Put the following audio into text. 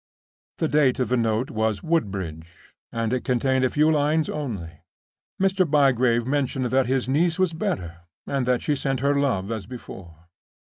The date of the note was "Woodbridge," and it contained a few lines only. Mr. Bygrave mentioned that his niece was better, and that she sent her love as before.